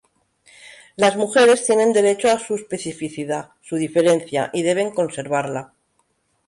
Las mujeres tienen derecho a su especificidad, su "diferencia" y deben conservarla.